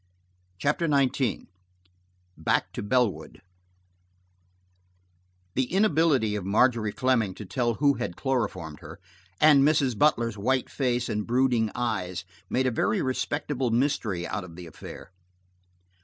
CHAPTER XIX BACK TO BELLWOOD THE inability of Margery Fleming to tell who had chloroformed her, and Mrs. Butler's white face and brooding eyes made a very respectable mystery out of the affair.